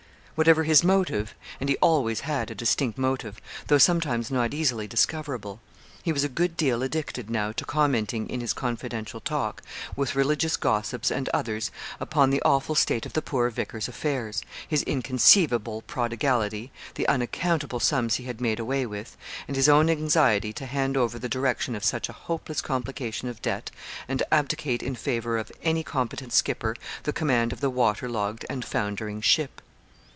Whatever his motive and he always had a distinct motive, though sometimes not easily discoverable he was a good deal addicted now to commenting, in his confidential talk, with religious gossips and others, upon the awful state of the poor vicar's affairs, his inconceivable prodigality, the unaccountable sums he had made away with, and his own anxiety to hand over the direction of such a hopeless complication of debt, and abdicate in favour of any competent skipper the command of the water logged and foundering ship.